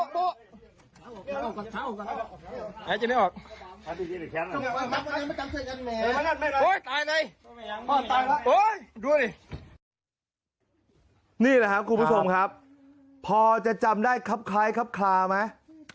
นี่แหละครับคุณผู้ชมครับพอจะจำได้ครับคล้ายครับคลาไหม